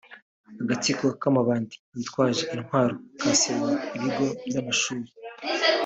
Agatsiko k’amabandi yitwaje intwaro kasenye ibigo by’amashuri